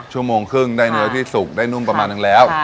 ชั่วโมงครึ่งได้เนื้อที่สุกได้นุ่มประมาณนึงแล้ว